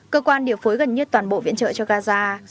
cơ quan điều phối gần nhất toàn bộ viện trợ cho gaza